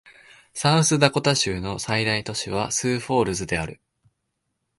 サウスダコタ州の最大都市はスーフォールズである